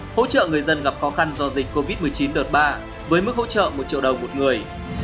hỗ trợ người dân gặp khó khăn do dịch covid một mươi chín đợt ba với mức hỗ trợ một triệu đồng một người